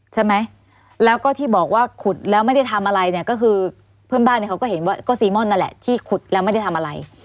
ใช่ไหมแล้วก็ที่บอกว่าขุดแล้วไม่ได้ทำอะไรเนี่ยก็คือเพื่อนบ้านเนี่ยเขาก็เห็นว่าก็ซีม่อนนั่นแหละที่ขุดแล้วไม่ได้ทำอะไร